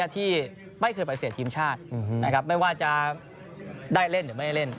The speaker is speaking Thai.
ที่ไม่เคยไปเสียทีมชาติไม่ว่าจะได้เล่นหรือไม่ได้เล่น